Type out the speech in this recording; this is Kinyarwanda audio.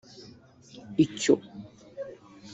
Icyo